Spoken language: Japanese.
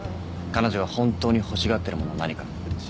彼女が本当に欲しがってるものは何か。